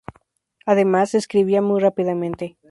Además, escribía muy rápidamente.